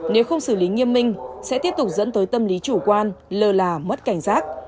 nếu không xử lý nghiêm minh sẽ tiếp tục dẫn tới tâm lý chủ quan lơ là mất cảnh giác